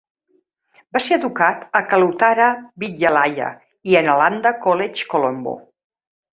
Va ser educat a Kalutara Vidyalaya i a Nalanda College Colombo.